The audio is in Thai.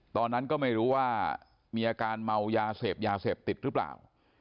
ตอนนั้นก็ไม่รู้ว่ามีอาการเมายาเสพยาเสพติดหรือเปล่า